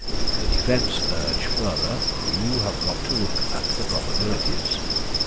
The defence urge further, 'You have got to look at the probabilities.